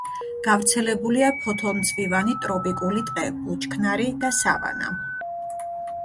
გავრცელებულია ფოთოლმცვივანი ტროპიკული ტყე, ბუჩქნარი და სავანა.